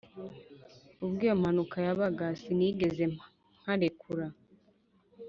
ubwo iyo mpanuka yabaga sinigeze nkarekura